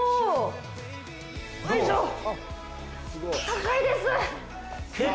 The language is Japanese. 高いです。